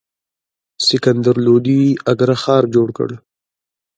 سکندر لودي اګره ښار جوړ کړ.